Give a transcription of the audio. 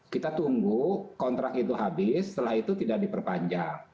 kita tunggu kontrak itu habis setelah itu tidak diperpanjang